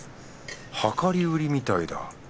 量り売りみたいだ。